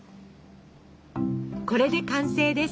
これで完成です。